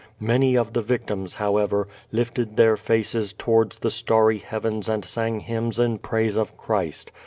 Many of the victims, however, lifted their faces towards the starry heavens and sang hymns in praise of Christ.